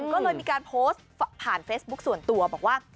ก็เลยมีการโพสต์ผ่านเฟซบุ๊คส่วนตัวบอกว่า